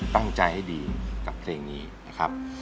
ตั้งใจให้ดีกับเพลงนี้นะครับ